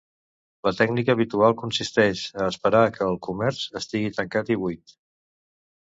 La tècnica habitual consisteix a esperar que el comerç estigui tancat i buit.